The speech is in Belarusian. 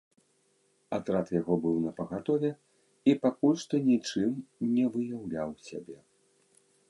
Атрад яго быў напагатове і пакуль што нічым не выяўляў сябе.